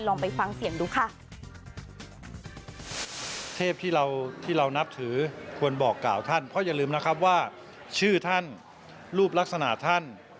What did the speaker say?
ลองไปฟังเสียงดูค่ะ